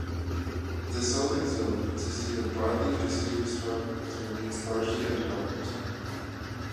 The southern zone consisting of broadleaf deciduous hardwoods remains largely undeveloped.